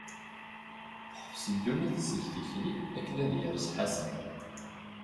Teḥbes ddunit seg tikli, akken ad yers Ḥasan.